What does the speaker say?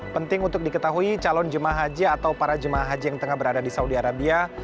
penting untuk diketahui calon jemaah haji atau para jemaah haji yang tengah berada di saudi arabia